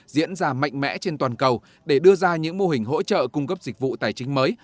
diễn ra mạnh mẽ trên toàn cầu để đưa ra những mô hình hỗ trợ cung cấp dịch vụ tài chính mới